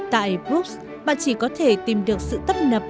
tại brux bạn chỉ có thể tìm được sự tấp nập